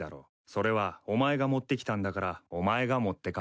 それはお前が持ってきたんだからお前が持って帰れ。